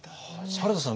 原田さん